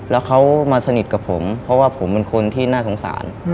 แล้วเขามาสนิทกับผมเพราะว่าผมเป็นคนที่น่าสงสาร